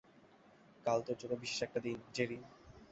কাল তোর জন্য বিশেষ একটা দিন, জেরি।